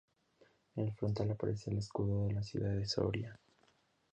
En el frontal aparece el escudo de la Ciudad de Soria.